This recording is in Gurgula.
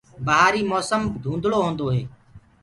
بهآري مي موسم ڌُندݪو هوندو هي۔